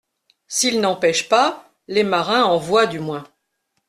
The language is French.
—S'ils n'en pêchent pas, les marins en voient du moins.